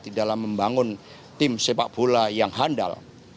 di dalam membangun tim sepak bola yang handal